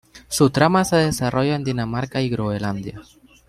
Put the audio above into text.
Su trama se desarrolla en Dinamarca y Groenlandia.